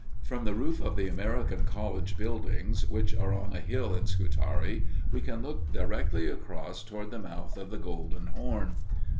From the roof of the American College buildings, which are on a hill in Scutari, we can look directly across toward the mouth of the Golden Horn.